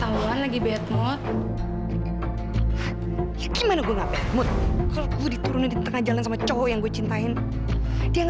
aku aja gemes banget tau nggak sih ngeliat dia